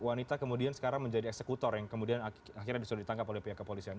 wanita kemudian sekarang menjadi eksekutor yang kemudian akhirnya disuruh ditangkap oleh pihak kepolisian